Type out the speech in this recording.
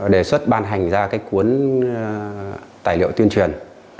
đề xuất ban hành ra cái cuốn tài liệu tuyên truyền